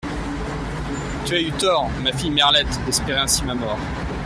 Tu as eu tort, ma fille Merlette, d’espérer ainsi ma mort.